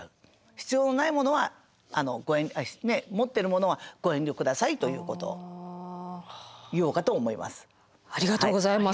必要のないものは持ってるものはご遠慮下さいということを言おうかと思います。